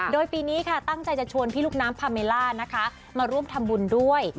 โดยปีนี้ค่ะตั้งใจจะชวนพี่ลูกน้ำพาเมล่านะคะมาร่วมทำบุญด้วย